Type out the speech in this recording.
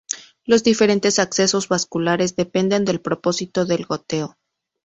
Los diferentes accesos vasculares dependen del propósito del goteo.